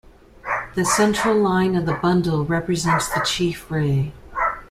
The central line of the bundle represents the chief ray.